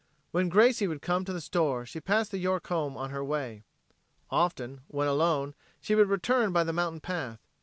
When Gracie would come to the store she passed the York home on her way. Often, when alone, she would return by the mountain path.